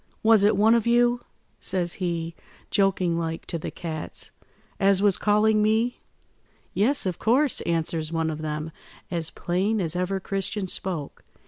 'Was it one of you,' says he, joking like, to the cats, 'as was calling me?' "'Yes, of course,' answers one of them, as plain as ever Christian spoke.